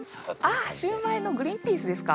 あシューマイのグリンピースですか？